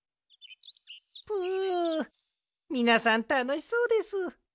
ぷみなさんたのしそうです。